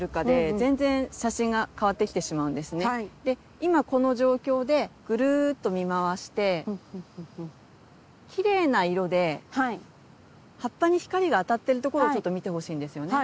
今この状況でぐるっと見回してきれいな色で葉っぱに光があたってるところをちょっと見てほしいんですよね。